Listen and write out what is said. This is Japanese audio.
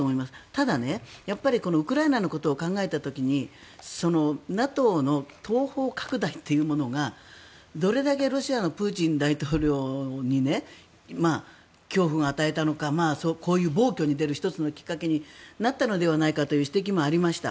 ただやっぱりウクライナのことを考えた時にＮＡＴＯの東方拡大というものがどれだけロシアのプーチン大統領に恐怖を与えたのかこういう暴挙に出る１つのきっかけになったのではという指摘もありました。